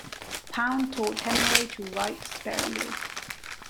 Pound taught Hemingway to write sparingly.